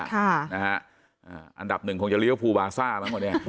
ค่ะนะฮะอันดับหนึ่งคงจะเรียกว่าภูวาซ่ามั้งหมดเนี่ย